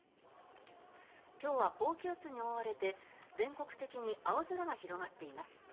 今日は高気圧に覆われて全国的に青空が広がっています。